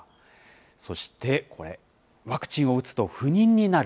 そしてこれ、ワクチンを打つと不妊になる。